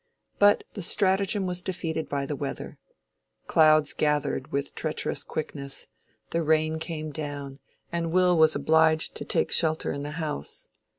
But the stratagem was defeated by the weather. Clouds gathered with treacherous quickness, the rain came down, and Will was obliged to take shelter in the house.